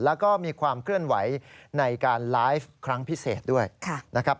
แล้วก็มีความเคลื่อนไหวในการไลฟ์ครั้งพิเศษด้วยนะครับ